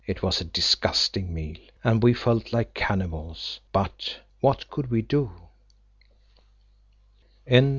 It was a disgusting meal and we felt like cannibals: but what could we do?